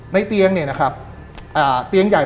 เตียงเนี่ยนะครับเตียงใหญ่